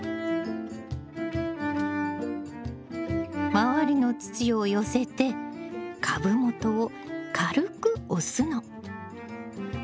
周りの土を寄せて株元を軽く押すの。